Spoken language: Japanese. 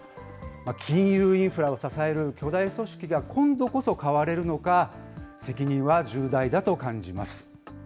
金融インフラを支える巨大組織が今度こそ変われるのか、責任は重大だと感じます。